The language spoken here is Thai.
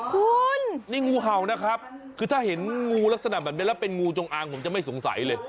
คุณนี่งูเห่านะครับคือถ้าเห็นงูลักษณะแบบนี้แล้วเป็นงูจงอางผมจะไม่สงสัยเลย